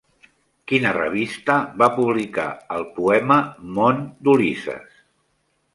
Quina revista va publicar el poema Món d'Ulisses?